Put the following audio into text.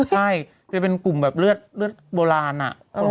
ใช่จะเป็นกลุ่มแบบเลือดโบราณอะ